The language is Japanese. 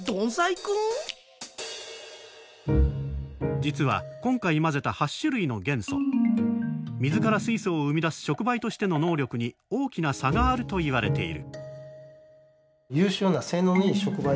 実は今回混ぜた８種類の元素水から水素を生み出す触媒としての能力に大きな差があるといわれている。